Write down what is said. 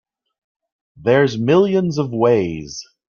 There's millions of ways.